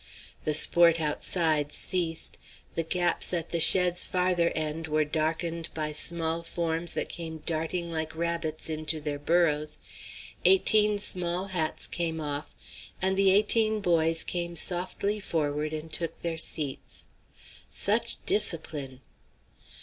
The sport outside ceased, the gaps at the shed's farther end were darkened by small forms that came darting like rabbits into their burrows, eighteen small hats came off, and the eighteen boys came softly forward and took their seats. Such discipline!